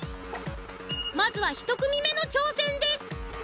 まずは１組目の挑戦です。